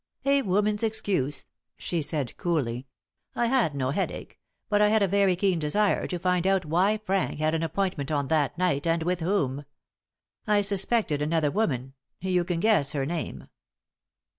"A woman's excuse," she said, coolly. "I had no headache; but I had a very keen desire to find out why Frank had an appointment on that night, and with whom. I suspected another woman you can guess her name."